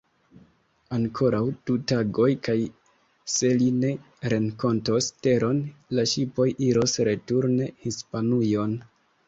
Ankoraŭ du tagoj kaj, se li ne renkontos teron, la ŝipoj iros returne Hispanujon.